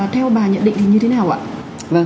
theo bà nhận định thì như thế nào ạ